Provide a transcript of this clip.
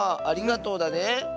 ありがとうだね。